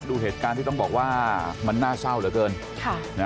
ดูเหตุการณ์ที่ต้องบอกว่ามันน่าเศร้าเหลือเกิน